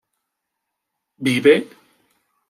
¿vive?